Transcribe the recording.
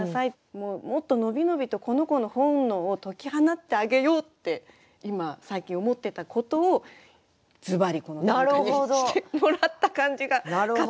もうもっと伸び伸びとこの子の本能を解き放ってあげようって今最近思ってたことをズバリこの短歌にしてもらった感じが勝手にします。